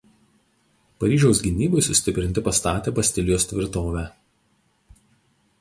Paryžiaus gynybai sustiprinti pastatė Bastilijos tvirtovę.